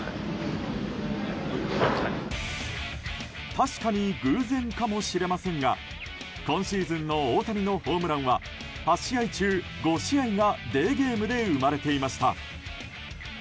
確かに偶然かもしれませんが今シーズンの大谷のホームランは８試合中５試合がデーゲームで生まれていました。